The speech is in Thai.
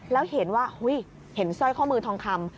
แล้วเห็นว่าเห็นสร้อยข้อมือทองคำ